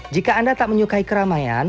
jika anda tak menyukai keramaian